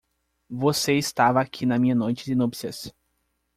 Você estava aqui na minha noite de núpcias.